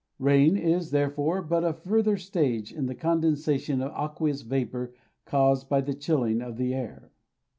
Rain is, therefore, but a further stage in the condensation of aqueous vapour caused by the chilling of the air.